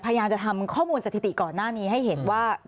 พยายามจะทำข้อมูลสถิติก่อนหน้านี้ให้เห็นว่า